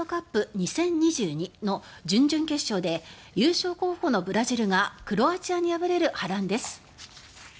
２０２２の準々決勝で優勝候補のブラジルがクロアチアに敗れる波乱です。